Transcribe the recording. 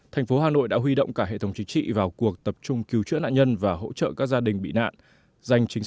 thành phố hà nội đã huy động cả hệ thống chính trị vào cuộc tập trung cứu chữa nạn nhân và hỗ trợ các gia đình bị nạn